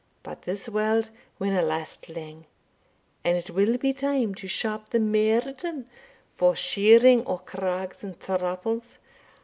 But this warld winna last lang, and it will be time to sharp the maiden* for shearing o' craigs and thrapples.